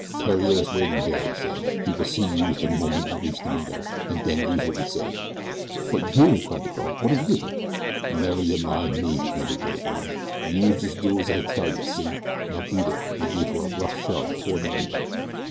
"Theriere is waiting dere," he said. "He will see youse de moment yeh reach de window, and den youse will be safe." "But you!" cried the girl. "What of you?" "Never yeh mind me," commanded Billy Byrne. "Youse jes' do as I tells yeh, see? Now, beat it," and he gave her a rough shove toward the window.